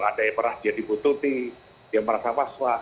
ada yang pernah dia dibutuhkan dia merasa waswa